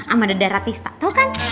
amada daratista tau kan